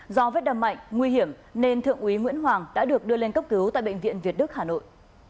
do vết đâm mạnh nguy hiểm nên thượng úy nguyễn hoàng đã được đưa lên cấp cứu tại bệnh viện việt đức hà nội